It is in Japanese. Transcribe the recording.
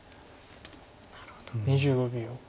なるほど。